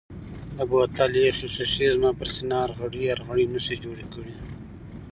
د بوتل یخې شیشې زما پر سینه ارغړۍ ارغړۍ نښې جوړې کړې.